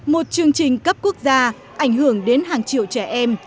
một chương trình cấp quốc gia ảnh hưởng đến hàng triệu trẻ em